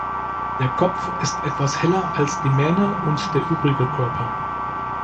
Der Kopf ist etwas heller als die Mähne und der übrige Körper.